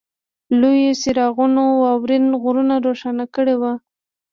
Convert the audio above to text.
لویو څراغونو واورین غرونه روښانه کړي وو